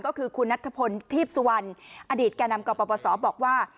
ก็คือคุณนัทพลทีพสุวรรณอดีตแก่นำกปศบอกว่า